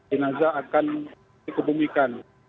jenazah akan dikebumikan